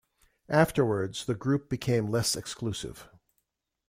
Afterwards, The Group became less exclusive.